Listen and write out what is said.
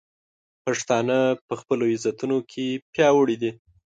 پښتانه په خپلو عزتونو کې پیاوړي دي.